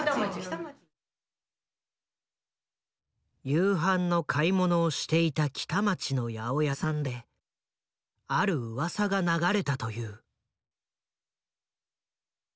夕飯の買い物をしていた北町の八百屋さんであるうわさが流れたという。